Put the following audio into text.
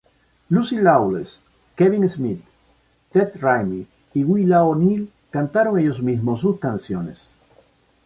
Lucy Lawless, Kevin Smith, Ted Raimi y Willa O'Neill cantaron ellos mismos sus canciones.